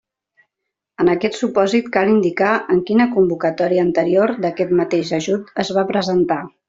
En aquest supòsit, cal indicar en quina convocatòria anterior d'aquest mateix ajut es va presentar.